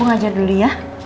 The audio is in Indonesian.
aku ngajar dulu ya